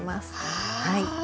はい。